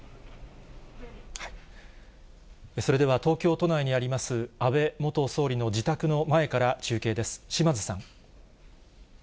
それでは、東京都内にあります、安倍元総理の自宅の前から中継です。